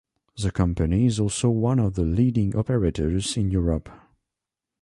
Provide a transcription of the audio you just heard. The company is also one of the leading operators in Europe.